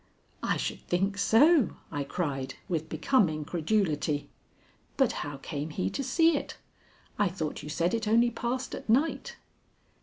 "I should think so," I cried with becoming credulity. "But how came he to see it? I thought you said it only passed at night."